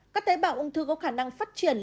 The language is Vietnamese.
các tế bào ung thư có khả năng phát triển